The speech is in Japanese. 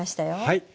はい。